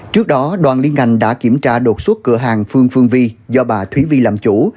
trước đó đoàn liên ngành đã kiểm tra đột xuất cửa hàng phương phương vi do bà thúy vi làm chủ